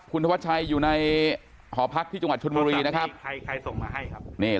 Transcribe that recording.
คุณธวัชชัยอยู่ในหอพักที่จังหวัดชนบุรีนะครับส่งมาให้ครับ